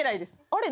あれ？